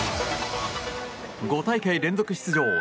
５大会連続出場